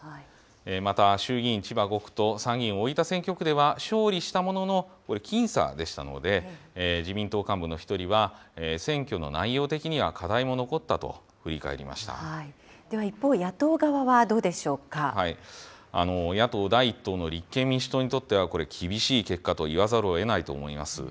また、衆議院千葉５区と参議院大分選挙区では勝利したものの、これ、僅差でしたので、自民党幹部の１人は、選挙の内容的には課題も残ったと振り返りまでは一方、野党側はどうでし野党第１党の立憲民主党にとっては、これ、厳しい結果と言わざるをえないと思います。